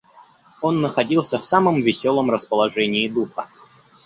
Он находился в самом веселом расположении духа.